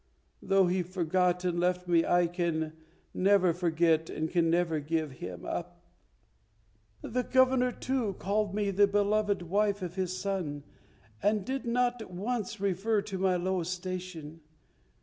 Though he forgot and left me, I can never forget and can never give him up. The Governor, too, called me the beloved wife of his son, and did not once refer to my low station.